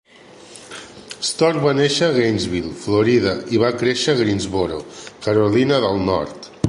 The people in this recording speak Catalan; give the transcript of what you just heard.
Stork va néixer a Gainesville, Florida i va créixer a Greensboro, Carolina de Nord.